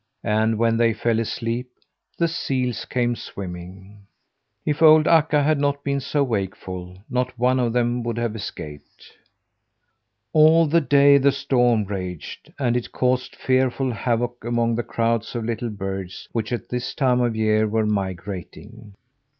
And when they fell asleep, the seals came swimming. If old Akka had not been so wakeful, not one of them would have escaped. All day the storm raged; and it caused fearful havoc among the crowds of little birds, which at this time of year were migrating.